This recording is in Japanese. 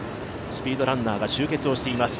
スピードランナーが集結しています。